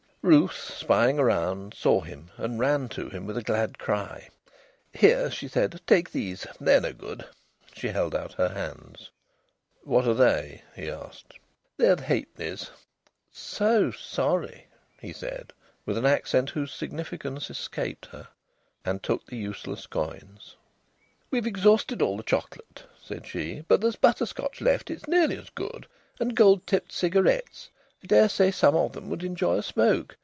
Ruth, spying around, saw him and ran to him with a glad cry. "Here!" she said, "take these. They're no good." She held out her hands. "What are they?" he asked. "They're the halfpennies." "So sorry!" he said, with an accent whose significance escaped her, and took the useless coins. "We've exhausted all the chocolate," said she. "But there's butterscotch left it's nearly as good and gold tipped cigarettes. I daresay some of them would enjoy a smoke.